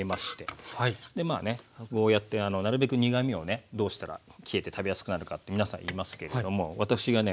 でまあねゴーヤーってなるべく苦みをねどうしたら消えて食べやすくなるかって皆さん言いますけれども私がね